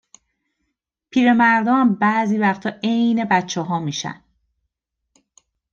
پیرمردا هم بعضی وقتا عین بچه ها می شن